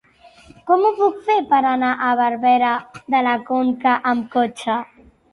Com ho puc fer per anar a Barberà de la Conca amb cotxe?